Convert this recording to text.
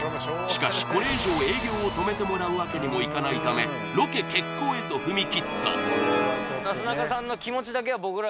しかしこれ以上営業を止めてもらうわけにもいかないためロケ決行へと踏みきったじゃそうね